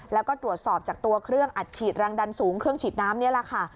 แล้วก็ตรวจสอบจากตัวเครื่องอัดฉีดแรงดันสูงเครื่องฉีดน้ำนี่แหละค่ะ